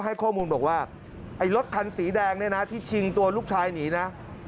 ให้ข้อมูลบอกว่าไอ้รถคันสีแดงเนี่ยนะที่ชิงตัวลูกชายหนีนะ